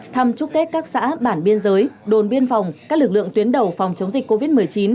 thăm chúc tết các xã bản biên giới đồn biên phòng các lực lượng tuyến đầu phòng chống dịch covid một mươi chín